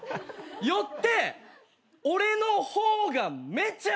よって俺の方がめちゃ偉い！